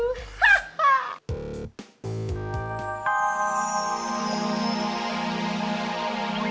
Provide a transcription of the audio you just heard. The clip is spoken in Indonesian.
tante aku mau ke rumah